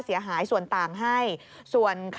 ใส่มันลู่งยาวเลย